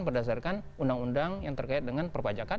berdasarkan undang undang yang terkait dengan perpajakan